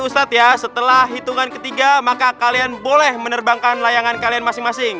ustadz ya setelah hitungan ketiga maka kalian boleh menerbangkan layangan kalian masing masing